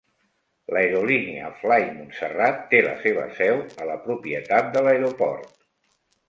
L'aerolínia FlyMontserrat té la seva seu a la propietat de l'aeroport.